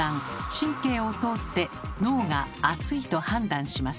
神経を通って脳が「熱い」と判断します。